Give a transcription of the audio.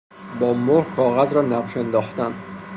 با مهر کاغذ را نقش انداختن